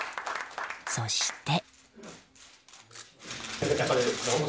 そして。